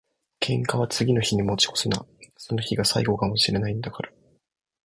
喧嘩は次の日に持ち越すな。その日が最後かも知れないんだから。